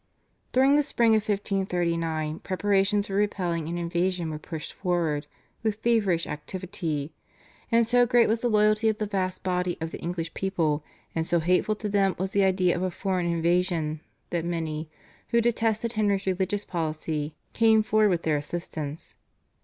During the spring of 1539 preparations for repelling an invasion were pushed forward with feverish activity, and so great was the loyalty of the vast body of the English people, and so hateful to them was the idea of a foreign invasion that many, who detested Henry's religious policy, came forward with their assistance.